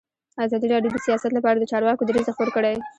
ازادي راډیو د سیاست لپاره د چارواکو دریځ خپور کړی.